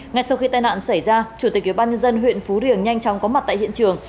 ngay sau khi tai nạn xảy ra chủ tịch ubnd huyện phú riềng nhanh chóng có mặt tại hiện trường